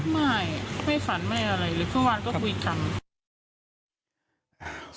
ไม่ไม่ฝันไม่อะไรเลยเมื่อวานก็คุยกัน